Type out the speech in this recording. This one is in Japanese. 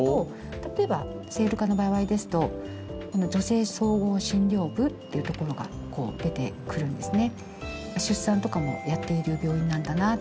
例えば聖路加の場合ですと女性総合診療部っていうところが出てくるんですね。